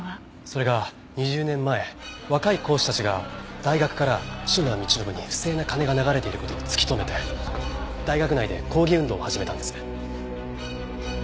それが２０年前若い講師たちが大学から篠田道信に不正な金が流れている事を突き止めて大学内で抗議運動を始めたんです。